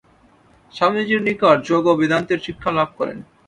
স্বামীজীর নিকট যোগ ও বেদান্তের শিক্ষা লাভ করেন।